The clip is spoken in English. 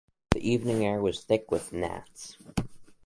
The evening air was thick with gnats.